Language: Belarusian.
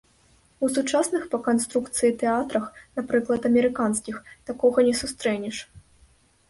У сучасных па канструкцыі тэатрах, напрыклад, амерыканскіх, такога не сустрэнеш.